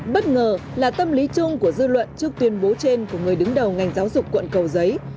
bất ngờ là tâm lý chung của dư luận trước tuyên bố trên của người đứng đầu ngành giáo dục quận cầu giấy